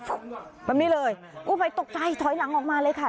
แบบนี้เลยกู้ภัยตกใจถอยหลังออกมาเลยค่ะ